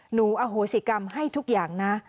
หนูอโหสิกรรมให้ทุกอย่างนะ